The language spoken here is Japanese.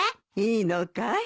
いいのかい？